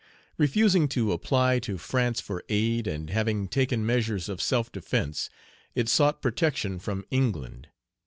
Refusing to apply to France for aid, and having taken measures of self defence, it sought protection from England.